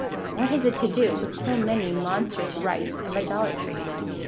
What has it to do with so many monstrous rites of idolatry